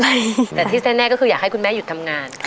ใช่แต่ที่แน่ก็คืออยากให้คุณแม่หยุดทำงาน